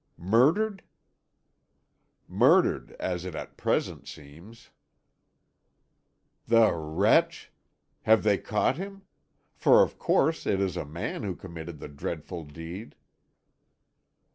"Murdered?" "Murdered, as it at present seems." "The wretch! Have they caught him? For of course it is a man who committed the dreadful deed."